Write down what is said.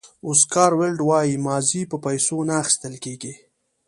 اوسکار ویلډ وایي ماضي په پیسو نه اخیستل کېږي.